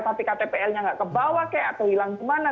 tapi ktplnya tidak kebawa atau hilang kemana